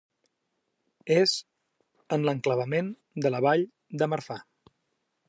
És a l'enclavament de la vall de Marfà.